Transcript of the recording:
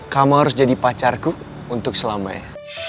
kamu harus jadi pacarku untuk selamanya